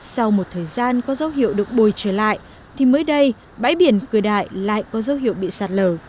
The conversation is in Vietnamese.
sau một thời gian có dấu hiệu được bồi trở lại thì mới đây bãi biển cửa đại lại có dấu hiệu bị sạt lở